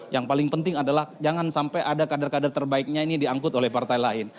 yang paling penting adalah jangan sampai ada kader kader terbaiknya ini diangkut oleh partai lain